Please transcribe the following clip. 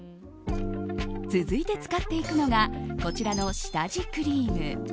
続いて使っていくのがこちらの下地クリーム。